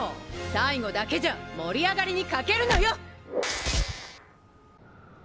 最後だけじゃ盛り上がりに欠けるのよ！